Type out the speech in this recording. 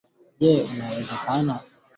Je! unawezaje kutumia viazi lishe